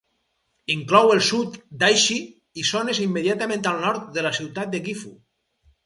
Inclou el sud d'Aichi i zones immediatament al nord de la ciutat de Gifu.